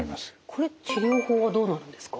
これ治療法はどうなるんですか？